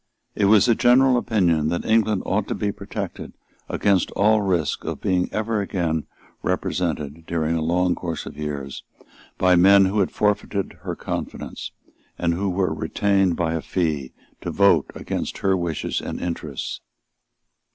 It was the general opinion that England ought to be protected against all risk of being ever again represented, during a long course of years, by men who had forfeited her confidence, and who were retained by a fee to vote against her wishes and interests.